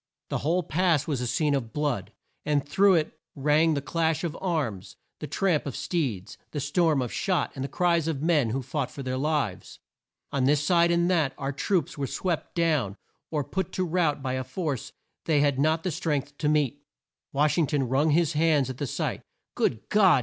The whole pass was a scene of blood, and through it rang the clash of arms, the tramp of steeds, the storm of shot, and the cries of men who fought for their lives. On this side and that, our troops were swept down or put to rout by a force they had not strength to meet. Wash ing ton wrung his hands at the sight. "Good God!"